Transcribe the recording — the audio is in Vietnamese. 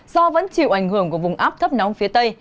do vẫn chịu ảnh hưởng của vùng áp thấp nóng phía tây